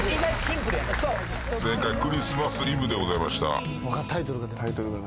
正解『クリスマス・イブ』でございました。